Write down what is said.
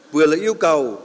vừa là yêu cầu